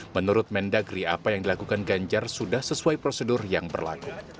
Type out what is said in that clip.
menurut mendagri apa yang dilakukan ganjar sudah sesuai prosedur yang berlaku